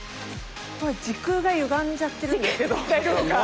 時空がゆがんじゃってるんですけど。